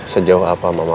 sejauh apa mama